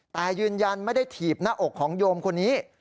แต่ยืนยันไม่ได้ถีบหน้าอกของโยมคนนี้